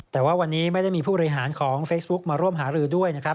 แต่ว่าวันนี้ไม่ได้มีผู้บริหารของเฟซบุ๊กมาร่วมหารือด้วยนะครับ